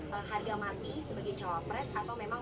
harga mati sebagai cawapres atau memang